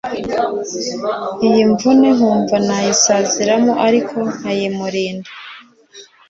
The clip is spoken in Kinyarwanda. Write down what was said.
iyimvune nkumva nayisaziramo ariko nkayimurinda"